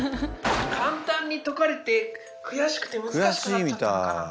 簡単に解かれて悔しくて難しくなっちゃったのかな。